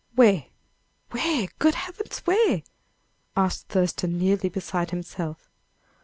"Where? Where? Good heavens, where?" asked Thurston, nearly beside himself.